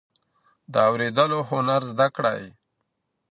د اورېدلو هنر زده کړئ.